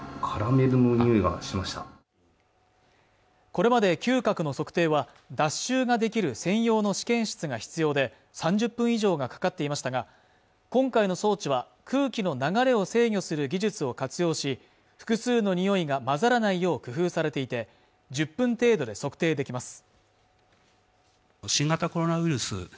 これまで嗅覚の測定は脱臭ができる専用の試験室が必要で３０分以上がかかっていましたが今回の装置は空気の流れを制御する技術を活用し複数のにおいが混ざらないよう工夫されていて１０分程度で測定できます